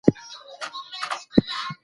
که مستې وي نو تنده نه وي.